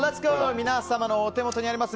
皆様のお手元にあります